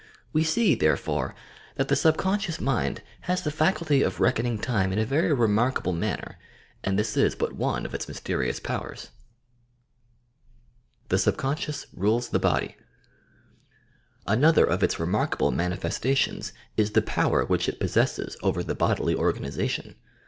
We see, therefore, that the sub conscious mind has the faculty of reckoning time in a very remarkable manner, and this is but one of its mys terious powers. THE SUBCONSCIOUS ! SUBCONSCIOUS RULES THE BODY ^V Another of its remarkable mauifestatiouB is the power which it possesses over the bodily organization.